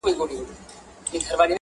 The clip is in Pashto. او ریاستونو کې